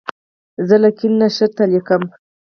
زه له کیڼ نه ښي ته لیکم.